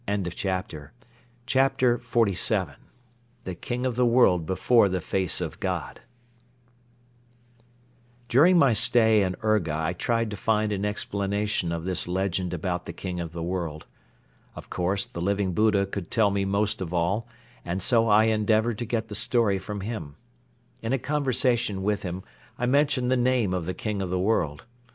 . CHAPTER XLVII THE KING OF THE WORLD BEFORE THE FACE OF GOD During my stay in Urga I tried to find an explanation of this legend about the King of the World. Of course, the Living Buddha could tell me most of all and so I endeavored to get the story from him. In a conversation with him I mentioned the name of the King of the World.